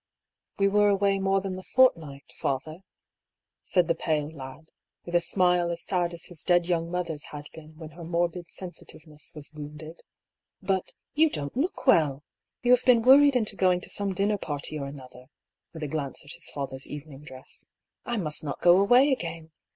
" We were away more than the fortnight, father," said the pale lad, with a smile as sad as his dead young mother's had been when her morbid sensitiveness was wounded. "But — ^you don't look well! You have been worried into going to some dinner party or an other " (with a glance at his father's evening dress). " I must not go away again